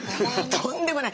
とんでもない。